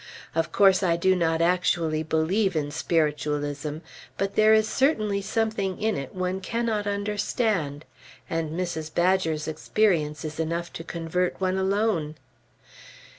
Of course, I do not actually believe in Spiritualism; but there is certainly something in it one cannot understand; and Mrs. Badger's experience is enough to convert one, alone.